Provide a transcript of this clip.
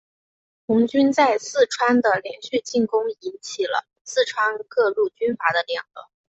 红军在四川的连续进攻引起了四川各路军阀的联合。